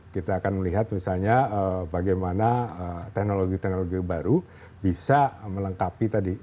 kita akan melihat misalnya bagaimana teknologi teknologi baru bisa melengkapi tadi